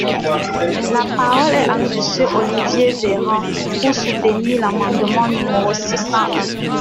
La parole est à Monsieur Olivier Véran, pour soutenir l’amendement numéro six cent un.